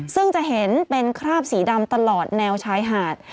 ซึ่งจะเห็นเป็นคราบสีดำตลอดแนวชายหาด